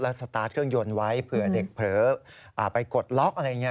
สตาร์ทเครื่องยนต์ไว้เผื่อเด็กเผลอไปกดล็อกอะไรอย่างนี้